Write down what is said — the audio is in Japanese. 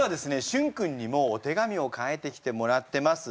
しゅん君にもお手紙を書いてきてもらってます。